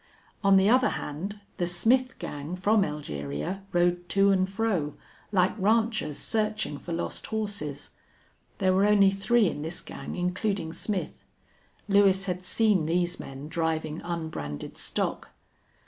On the other hand, the Smith gang from Elgeria rode to and fro, like ranchers searching for lost horses. There were only three in this gang, including Smith. Lewis had seen these men driving unbranded stock.